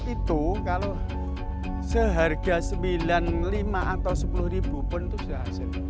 itu kalau seharga rp sembilan puluh lima atau sepuluh pun itu sudah hasil